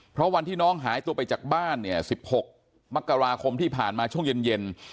เพราะวันที่น้องหายตัวไปจากบ้านเนี่ย๑๖มกราคมที่ผ่านมาช่วงเย็น